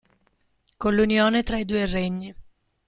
Con l'unione tra i due regni.